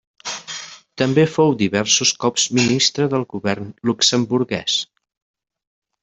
També fou diversos cops ministre del govern luxemburguès.